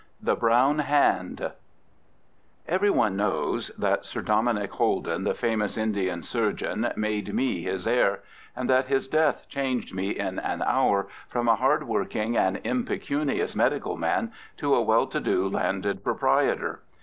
THE BROWN HAND Every one knows that Sir Dominick Holden, the famous Indian surgeon, made me his heir, and that his death changed me in an hour from a hard working and impecunious medical man to a well to do landed proprietor.